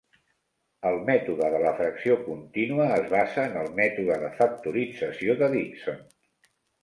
El mètode de la fracció continua es basa en el mètode de factorització de Dixon.